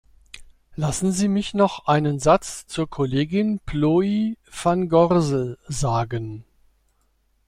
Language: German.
Lassen Sie mich noch einen Satz zur Kollegin Plooij-Van Gorsel sagen.